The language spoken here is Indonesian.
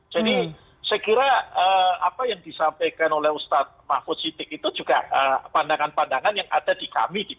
jadi saya kira apa yang disampaikan oleh ustaz mahfud siddiq itu juga pandangan pandangan yang ada di kami di p tiga